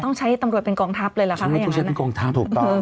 ต้องใช้ให้ตำรวจเป็นกองทัพเลยล่ะครับไม่ต้องใช้เป็นกองทัพถูกตอบ